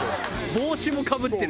帽子もかぶってる。